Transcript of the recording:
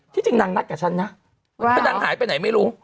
จริงนางนัดกับฉันนะนางหายไปไหนไม่รู้